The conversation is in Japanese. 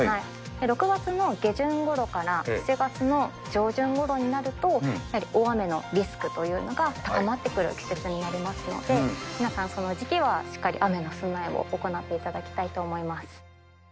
６月の下旬ごろから、７月の上旬ごろになると、やはり大雨のリスクというのが高まってくる季節になりますので、皆さん、その時期は、しっかり雨への備えを行っていただきたいと思います。